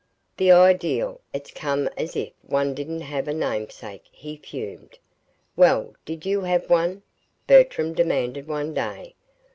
"The idea! It's just as if one didn't have a namesake!" he fumed. "Well, did you have one?" Bertram demanded one day.